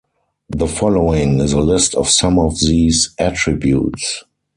The following is a list of some of these attributes.